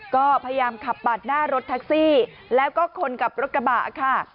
ก็พยายามขับปาดหน้ารถแท็กซี่แล้วก็คนขับรถกระบะค่ะ